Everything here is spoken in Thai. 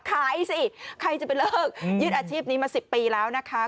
สิใครจะไปเลิกยึดอาชีพนี้มา๑๐ปีแล้วนะคะ